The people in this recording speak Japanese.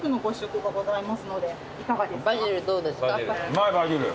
うまいバジル。